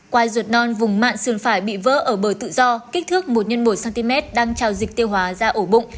qua ruột non vùng mạng xương phải bị vỡ ở bờ tự do kích thước một x một cm đang trao dịch tiêu hóa ra ổ bụng